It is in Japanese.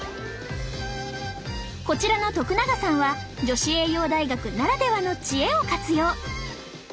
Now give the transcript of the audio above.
こちらの徳永さんは女子栄養大学ならではの知恵を活用！